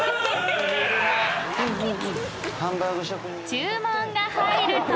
［注文が入ると］